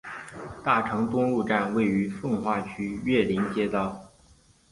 大成东路站位于奉化区岳林街道。